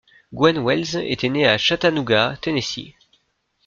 Gwen Welles était née à Chattanooga, Tennessee.